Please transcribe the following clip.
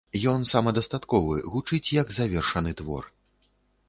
Ён самадастатковы, гучыць як завершаны твор.